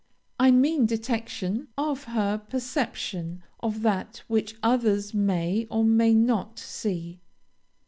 I mean detection of her perception of that which others may or may not see.